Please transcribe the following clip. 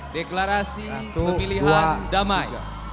deklarasi pemilihan damai